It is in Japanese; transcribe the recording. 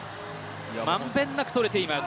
満遍なく取れています。